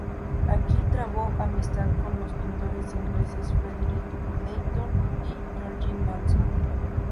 Aquí trabó amistad con los pintores ingleses Frederic Leighton y George Mason.